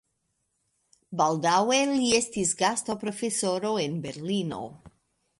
Baldaŭe li estis gastoprofesoro en Berlino.